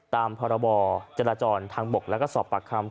ตามพรบจราจรทางบกแล้วก็สอบปากคำ